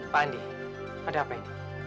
pak andi ada apa ini